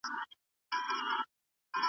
آیا کانالونه تر طبیعي سیندونو منظم دي؟